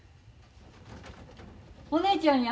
・お姉ちゃんや。